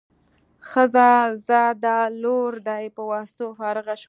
ښه ځه دا لور دې په واسطو فارغه شو.